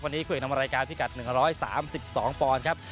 วันนี้คุยกับนำมารายการพี่กัด๑๓๒ปอนต์ครับ